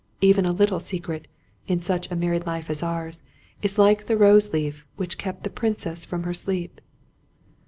Even a little secret, in such a married life as ours, is like the rose leaf which kept the princess from her sleep.